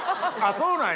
そうなんや。